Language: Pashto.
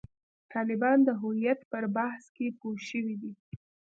طالبان د هویت پر بحث کې پوه شوي دي.